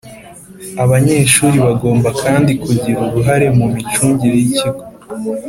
Abanyeshuri bagomba kandi kugira uruhare mu micungire y'ikigo,